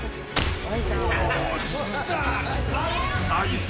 よっしゃ。